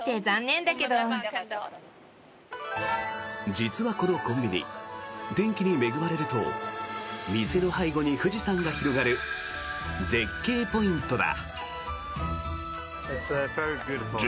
実はこのコンビニ天気に恵まれると店の背後に富士山が広がる絶景ポイントだ。